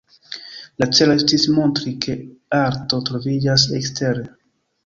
La celo estis montri ke arto troviĝas ekstere!